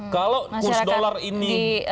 kalau kurs dolar ini